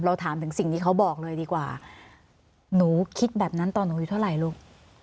ถามถึงสิ่งที่เขาบอกเลยดีกว่าหนูคิดแบบนั้นตอนหนูอยู่เท่าไหร่ลูก